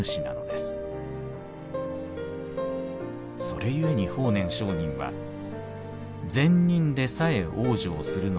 「それゆえに法然上人は『善人でさえ往生するのです。